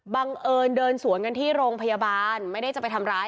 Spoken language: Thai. บังเอิญเดินสวนกันที่โรงพยาบาลไม่ได้จะไปทำร้าย